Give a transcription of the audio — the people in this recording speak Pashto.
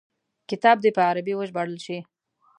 کتاب دي په عربي وژباړل شي.